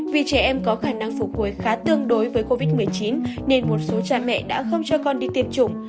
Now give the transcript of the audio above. vì trẻ em có khả năng phục hồi khá tương đối với covid một mươi chín nên một số cha mẹ đã không cho con đi tiêm chủng